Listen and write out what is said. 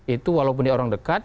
itu walaupun dia orang dekat